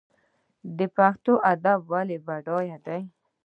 پښتو ادب ولې بډای دی؟